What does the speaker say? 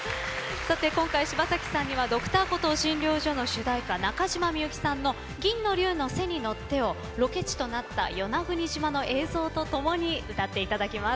今回、柴咲さんには「Ｄｒ．コトー診療所」の主題歌中島みゆきさんの「銀の龍の背に乗って」をロケ地となった与那国島の映像とともに歌っていただきます。